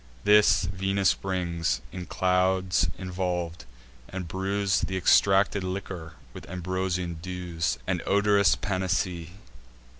This Venus brings, in clouds involv'd, and brews Th' extracted liquor with ambrosian dews, And odorous panacee.